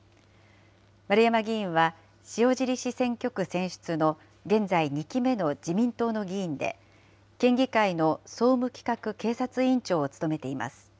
丸山議員は、塩尻市選挙区選出の現在２期目の自民党の議員で、県議会の総務企画警察委員長を務めています。